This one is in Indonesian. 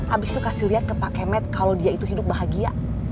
abis itu kasih lihat ke pak kemet kalau dia itu hidup bahagia